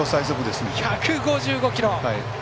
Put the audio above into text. １５５キロ。